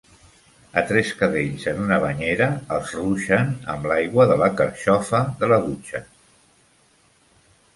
A tres cadells en una banyera els ruixen amb l'aigua de la carxofa de la dutxa.